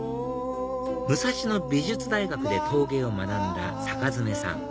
武蔵野美術大学で陶芸を学んだ坂爪さん